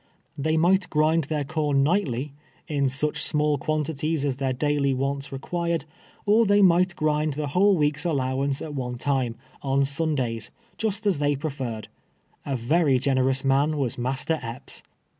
They might grind their corn nightly, in such small quantities as their daily wants required, or they might grind the whole week's allowance at one time, on Sundays, just as they preferred, A very gener ous man was Master Epj)s